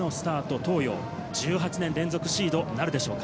東洋、１８年連続シードなるでしょうか。